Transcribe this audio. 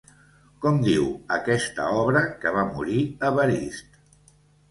Com diu aquesta obra que va morir Evarist?